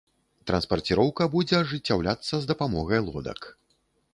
Транспарціроўка будзе ажыццяўляцца з дапамогай лодак.